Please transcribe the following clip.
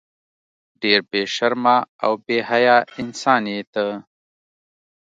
ډیر بی شرمه او بی حیا انسان یی ته